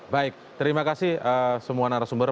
baik terima kasih semua narasumber